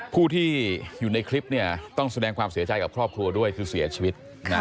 ผู้ที่อยู่ในคลิปเนี่ยต้องแสดงความเสียใจกับครอบครัวด้วยคือเสียชีวิต